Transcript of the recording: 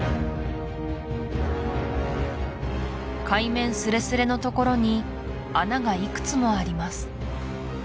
海面すれすれのところに穴がいくつもあります